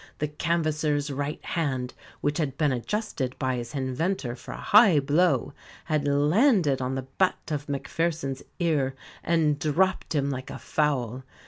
The canvasser's right hand, which had been adjusted by his inventor for a high blow, had landed on the butt of Macpherson's ear and dropped him like a fowl.